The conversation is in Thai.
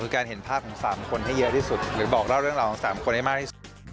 คือการเห็นภาพของ๓คนให้เยอะที่สุดหรือบอกเล่าเรื่องราวของ๓คนให้มากที่สุด